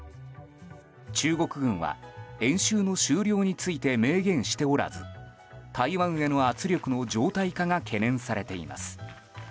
中国軍は演習の終了について明言しておらず台湾への圧力の状態化が懸念されています。